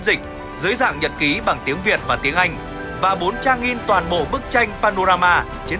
dịch dưới dạng nhật ký bằng tiếng việt và tiếng anh và bốn trang in toàn bộ bức tranh panorama chiến